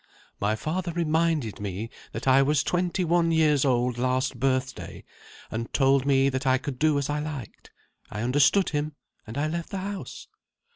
"My father reminded me that I was twenty one years old, last birthday and told me that I could do as I liked. I understood him, and I left the house."